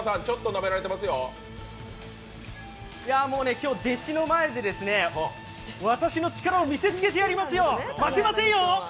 今日、弟子の前で私の力を見せつけてやりますよ、負けませんよ！